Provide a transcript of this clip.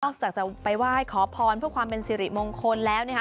จากจะไปไหว้ขอพรเพื่อความเป็นสิริมงคลแล้วนะคะ